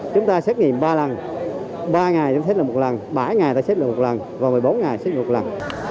chúng ta xét nghiệm ba lần ba ngày xét lây một lần bảy ngày xét lây một lần và một mươi bốn ngày xét lây một lần